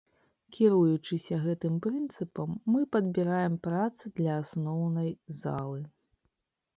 Кіруючыся гэтым прынцыпам, мы падбіраем працы для асноўнай залы.